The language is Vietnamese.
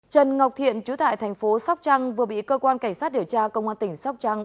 trần ngọc thiện chú tại thành phố sóc trăng vừa bị cơ quan cảnh sát điều tra công an tỉnh sóc trăng